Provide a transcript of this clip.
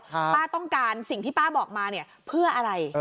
ป้าต้องการสิ่งที่ป้าบอกมาเนี่ยเพื่ออะไร